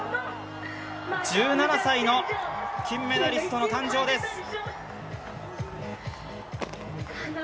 １７歳の金メダリストの誕生です。